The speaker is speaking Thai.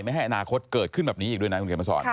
ไม่ให้อนาคตเกิดขึ้นแบบนี้อีกด้วยนะคุณเขียนมาสอน